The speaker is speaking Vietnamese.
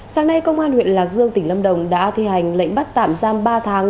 sáng nay công an huyện lạc dương tỉnh lâm đồng đã thi hành lệnh bắt tạm giam ba tháng